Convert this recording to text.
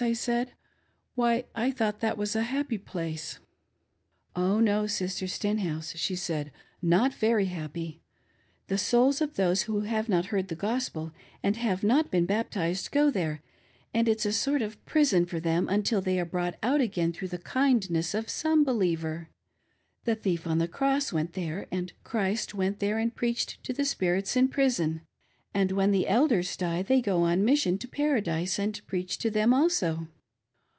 '" I said, "why I thought that was a happy place." " Oh, no, Sister Stenhouse," she' said, "not very happy. The souls of those who have not heard the Gospel, and have not been baptized, go there, and it's a sort of prison for them until they are brought out again through the kindness of some believer. The thief on the cross went there, and Christ went there and preached to the spirits in prison, and when the Elders die they go on mission to Paradise and preach to them also.